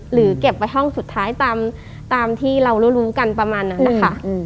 เก็บไว้ห้องสุดท้ายตามที่เรารู้กันประมาณนั้นนะคะ